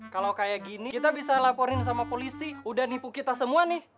kalau kayak gini kita bisa laporin sama polisi udah nipu kita semua nih